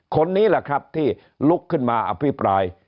คนนี้แหละครับที่ลุกขึ้นมาอภิปราย